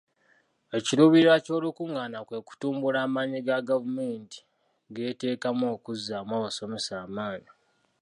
Ekiruubirirwa ky'olukungaana kwe kutumbula amaanyi ga gavumenti geteekamu okuzzaamu abasomesa amaanyi.